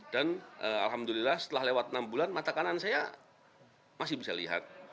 dan alhamdulillah setelah lewat enam bulan mata kanan saya masih bisa lihat